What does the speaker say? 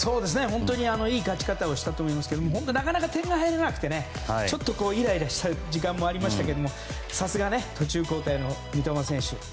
本当にいい勝ち方をしたと思いますけど本当になかなか点が入らなくてちょっとイライラした時間もありましたけどさすが途中交代の三笘選手。